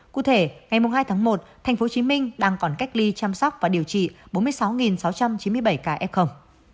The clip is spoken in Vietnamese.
cụ thể ngày hai tháng một tp hcm đang còn cách ly chăm sóc và điều trị bốn mươi sáu sáu trăm chín mươi bảy ca f